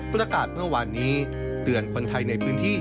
ประกาศเมื่อวานนี้เตือนคนไทยในพื้นที่